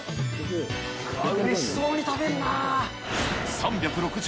うれしそうに食べるな。